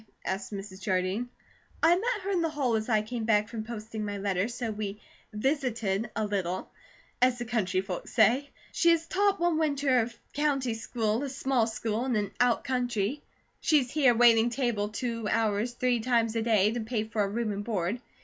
asked Mrs. Jardine. "I met her in the hall as I came back from posting my letter, so we 'visited' a little, as the country folks say. She has taught one winter of country school, a small school in an out county. She's here waiting table two hours three times a day, to pay for her room and board.